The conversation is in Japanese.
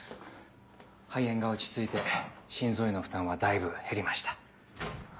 肺炎が落ち着いて心臓への負担はだいぶ減りました。